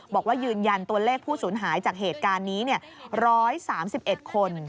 บอกว่ายืนยันตัวเลขผู้สูญหายจากเหตุการณ์นี้๑๓๑คน